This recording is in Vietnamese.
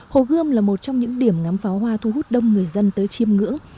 hồ gươm là một trong những điểm ngắm pháo hoa thu hút đông người dân tới chiêm ngưỡng